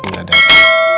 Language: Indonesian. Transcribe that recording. gak ada apa